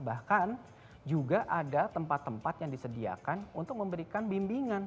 bahkan juga ada tempat tempat yang disediakan untuk memberikan bimbingan